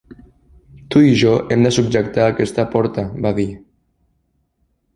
"Tu i jo hem de subjectar aquesta porta", va dir.